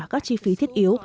các chi phí thiết yếu